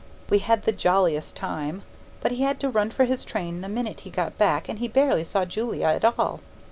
We had the jolliest time! But he had to run for his train the minute he got back and he barely saw Julia at all.